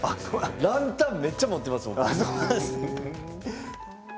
ランタンめっちゃ持っています。